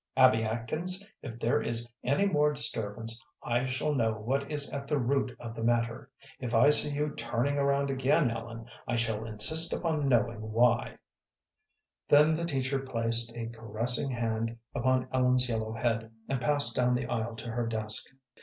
"Abby Atkins, if there is any more disturbance, I shall know what is at the root of the matter. If I see you turning around again, Ellen, I shall insist upon knowing why." Then the teacher placed a caressing hand upon Ellen's yellow head, and passed down the aisle to her desk.